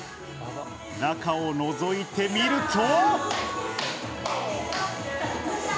中をのぞいてみると。